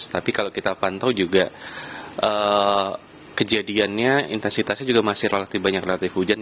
tapi kalau kita pantau juga kejadiannya intensitasnya juga masih relatif banyak relatif hujan